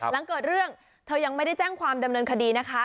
หลังเกิดเรื่องเธอยังไม่ได้แจ้งความดำเนินคดีนะคะ